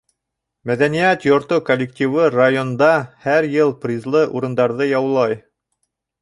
Мәҙәниәт йорто коллективы районда һәр йыл призлы урындарҙы яулай.